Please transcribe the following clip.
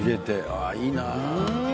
ああいいな。